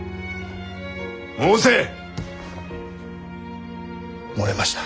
申せ！漏れました。